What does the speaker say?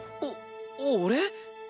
お俺？